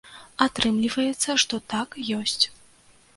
Атрымліваецца, што так, ёсць.